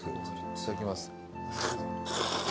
いただきます。